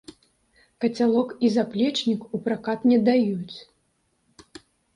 Кацялок і заплечнік у пракат не даюць.